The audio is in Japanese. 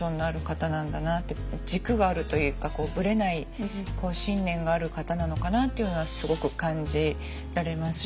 軸があるというかぶれない信念がある方なのかなっていうのはすごく感じられます。